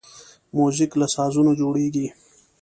موزیک له سازونو جوړیږي.